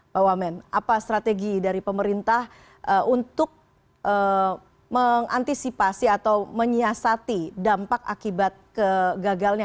pak wamen apa strategi dari pemerintah untuk mengantisipasi atau menyiasati dampak akibat gagalnya